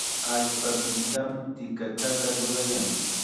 Allpapitam tikataqa rurayan.